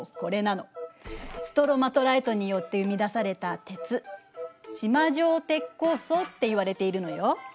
ストロマトライトによって生み出された鉄縞状鉄鉱層っていわれているのよ。